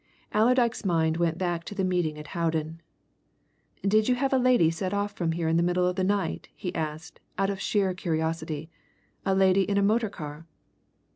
Allerdyke's mind went back to the meeting at Howden. "Did you have a lady set off from here in the middle of the night?" he asked, out of sheer curiosity. "A lady in a motor car?"